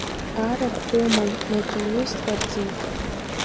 Арахә рыман, маҵуҩыс дҟарҵит.